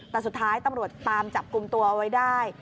แต่สุดท้ายตำรวจตามจับกลุ่มตัวเอาไว้ได้